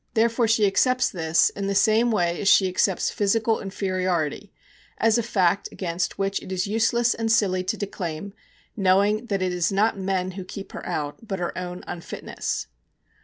Therefore she accepts this, in the same way as she accepts physical inferiority, as a fact against which it is useless and silly to declaim, knowing that it is not men who keep her out, but her own unfitness.